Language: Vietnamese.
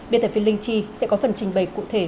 biên tập viên linh chi sẽ có phần trình bày cụ thể